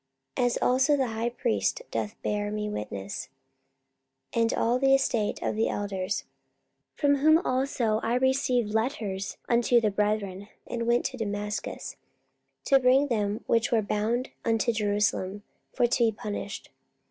44:022:005 As also the high priest doth bear me witness, and all the estate of the elders: from whom also I received letters unto the brethren, and went to Damascus, to bring them which were there bound unto Jerusalem, for to be punished.